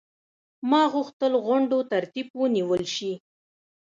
ما غوښتل غونډو ترتیب ونیول شي.